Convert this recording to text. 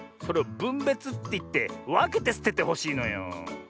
それをぶんべつっていってわけてすててほしいのよ。